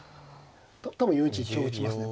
多分４一香打ちますね